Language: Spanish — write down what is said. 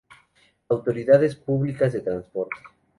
Autoridades Públicas de Transporte